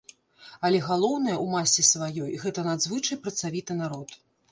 Але галоўнае, у масе сваёй, гэта надзвычай працавіты народ.